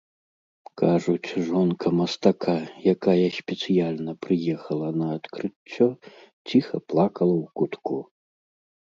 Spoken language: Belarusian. Кажуць, жонка мастака, якая спецыяльна прыехала на адкрыццё, ціха плакала ў кутку.